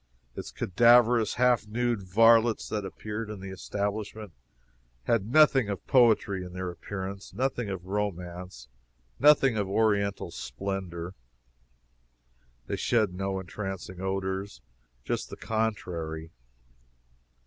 The cadaverous, half nude varlets that served in the establishment had nothing of poetry in their appearance, nothing of romance, nothing of Oriental splendor. They shed no entrancing odors just the contrary.